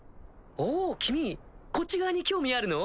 おお君こっち側に興味あるの？